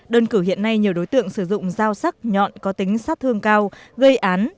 đơn cử hiện nay nhiều đối tượng sử dụng dao sắc nhọn có tính sát thương cao gây án